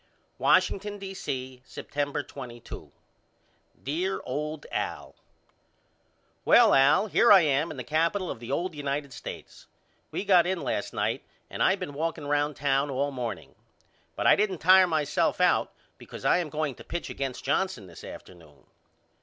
Washington, D. C., September 22. DEAR OLD AL: Well Al here I am in the capital of the old United States. We got in last night and I been walking round town all morning. But I didn't tire myself out because I am going to pitch against Johnson this afternoon.